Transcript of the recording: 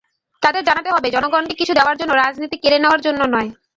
তাঁদের জানাতে হবে, জনগণকে কিছু দেওয়ার জন্য রাজনীতি, কেড়ে নেওয়ার জন্য নয়।